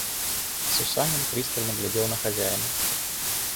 Сусанин пристально глядел на хозяина.